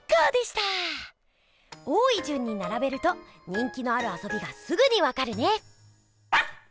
多いじゅんにならべると人気のあるあそびがすぐにわかるね！